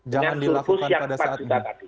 jangan dilakukan pada saat